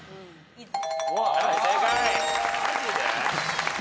正解。